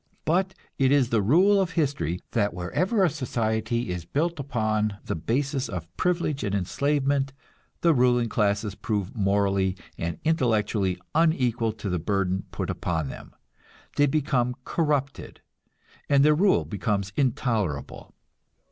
But it is the rule of history that wherever a large society is built upon the basis of privilege and enslavement, the ruling classes prove morally and intellectually unequal to the burden put upon them; they become corrupted, and their rule becomes intolerable.